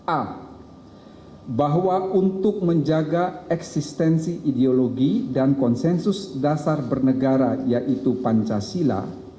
a bahwa untuk menjaga eksistensi ideologi dan konsensus dasar bernegara yaitu pancasila